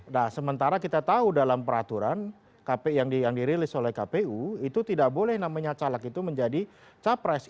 nah sementara kita tahu dalam peraturan yang dirilis oleh kpu itu tidak boleh namanya caleg itu menjadi capres